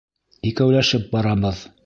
Икәүләшеп барабыҙ.